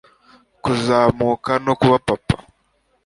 Kuzamuka no kuba papa